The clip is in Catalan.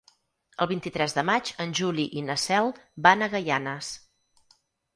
El vint-i-tres de maig en Juli i na Cel van a Gaianes.